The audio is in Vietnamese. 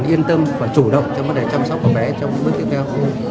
yên tâm và chủ động theo mối đề chăm sóc của bé trong bước tiếp theo